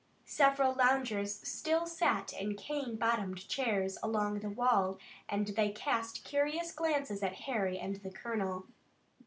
Several loungers still sat in cane bottomed chairs along the wall, and they cast curious glances at Harry and the colonel.